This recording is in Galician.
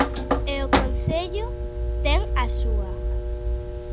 E o Concello ten a súa.